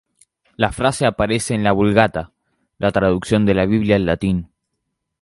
La frase aparece en la Vulgata, la traducción de la Biblia al latín.